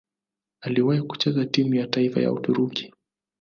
Aliwahi kucheza timu ya taifa ya Uturuki.